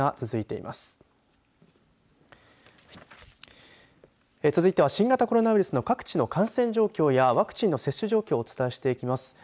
続いては新型コロナウイルスの各地の感染状況やワクチンの接種状況をお伝えしていきます。